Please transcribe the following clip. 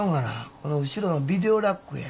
この後ろのビデオラックや。